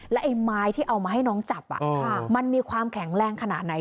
ไอ้ไม้ที่เอามาให้น้องจับมันมีความแข็งแรงขนาดไหน